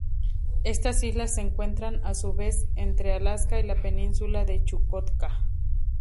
Estas islas se encuentran, a su vez, entre Alaska y la península de Chukotka.